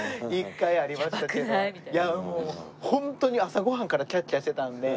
いやもうホントに朝ご飯からキャッキャしてたんで。